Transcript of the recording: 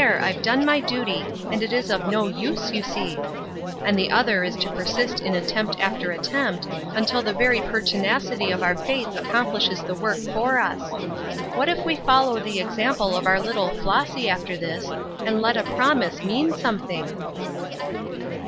I've done my duty, and it is no use you see;' and the other is to persist in attempt after attempt, until the very pertinacity of our faith accomplishes the work for us. What if we follow the example of our little Flossy after this, and let a promise mean something?"